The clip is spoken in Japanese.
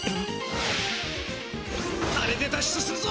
あれでだっ出するぞ！